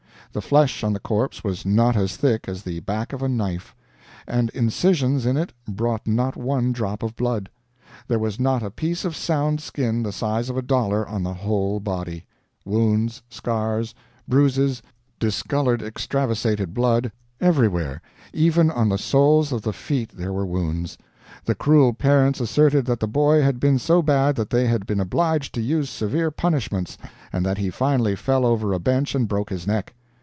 The flesh on the corpse was not as thick as the back of a knife, and incisions in it brought not one drop of blood. There was not a piece of sound skin the size of a dollar on the whole body; wounds, scars, bruises, discolored extravasated blood, everywhere even on the soles of the feet there were wounds. The cruel parents asserted that the boy had been so bad that they had been obliged to use severe punishments, and that he finally fell over a bench and broke his neck.